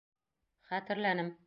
Хәтерләнем.